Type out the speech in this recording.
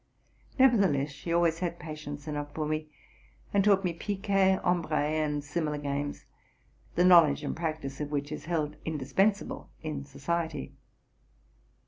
Nevertheless she alw: ays had patience enough with me, taught me piquet, ombre, and similar games, the knowledge and practice of which is held indispensable in society.